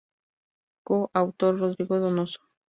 Co-autor: Rodrigo Donoso.